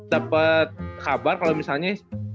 dapet kabar kalau misalnya